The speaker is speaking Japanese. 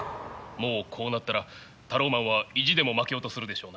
もうこうなったらタローマンは意地でも負けようとするでしょうな。